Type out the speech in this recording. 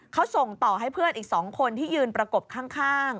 เขาส่งต่อให้เพื่อนอีก๒คนที่ยืนประกบข้าง